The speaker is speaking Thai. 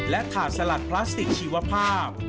และถาดสลัดพลาสติกชีวภาพ